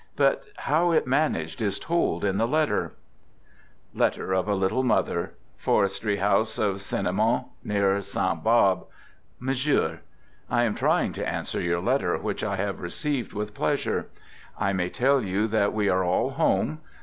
But how it " managed " is told in the letter: {Letter of a Little Mother) Forestry House of Cenimont near Sainte Barbe. Monsieur: I am hurrying to answer your letter which I have received with pleasure. I may tell you that we are all home.